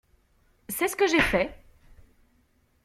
C’est ce que j’ai fait.